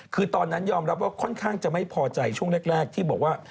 คือตอนนั้นยอมรับว่าค่อนข้างจะไม่พอใจช่วงแรกที่บอกว่า